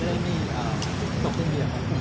เขาแอบอ้าวว่าเป็นศูนย์ภาพของเรา